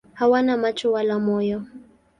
Hawana macho wala moyo.